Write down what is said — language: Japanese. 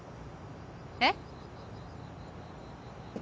えっ？